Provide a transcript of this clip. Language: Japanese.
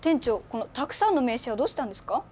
このたくさんの名刺はどうしたんですか？